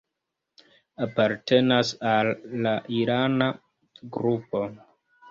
Apartenas al la irana grupo.